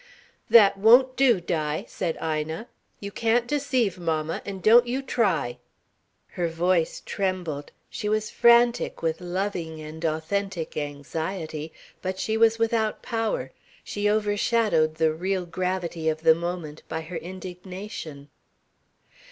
"That won't do, Di," said Ina. "You can't deceive mamma and don't you try!" Her voice trembled, she was frantic with loving and authentic anxiety, but she was without power, she overshadowed the real gravity of the moment by her indignation.